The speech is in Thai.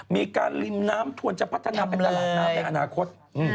มีการริมน้ำทวนจะพัฒนาเป็นตลาดน้ำในอนาคต